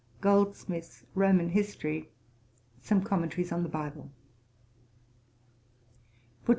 Goldsmith's Roman History. Some Commentaries on the. Bible_.